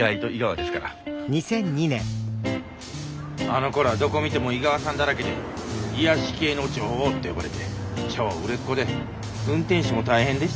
あのころはどこ見ても井川さんだらけで癒やし系の女王って呼ばれて超売れっ子で運転手も大変でしたわ。